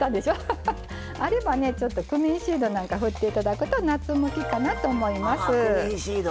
あればクミンシードなんか振っていただくと夏向きかなと思います。